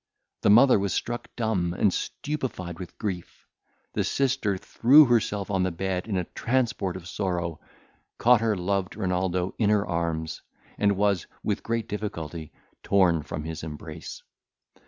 The mother was struck dumb, and stupefied with grief; the sister threw herself on the bed in a transport of sorrow, caught her loved Renaldo in her arms, and was, with great difficulty, torn from his embrace.